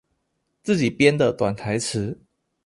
自己編的短台詞